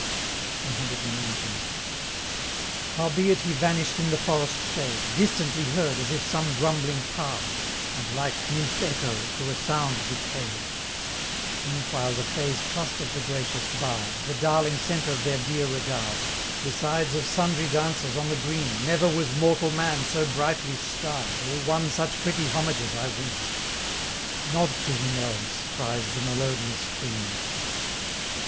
CXIX. Howbeit he vanish'd in the forest shade, Distantly heard as if some grumbling pard, And, like Nymph Echo, to a sound decay'd; Meanwhile the fays cluster'd the gracious Bard, The darling centre of their dear regard: Besides of sundry dances on the green, Never was mortal man so brightly starr'd, Or won such pretty homages, I ween. "Nod to him, Elves!" cries the melodious queen.